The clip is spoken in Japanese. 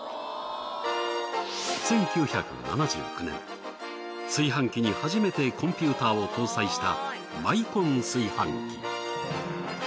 １９７９年炊飯器に初めてコンピューターを搭載したマイコン炊飯器。